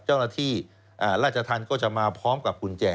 เจ้าหน้าที่ราชธรรมก็จะมาพร้อมกับกุญแจ